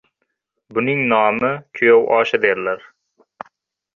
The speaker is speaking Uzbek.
buning nomini «kuyov oshi» derlar.